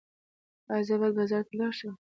ایا زه باید بازار ته لاړ شم؟